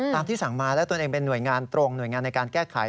ที่สั่งมาแล้วตัวเองเป็นหน่วยงานตรงหน่วยงานในการแก้ไข